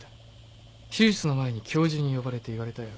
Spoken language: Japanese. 手術の前に教授に呼ばれて言われたよ。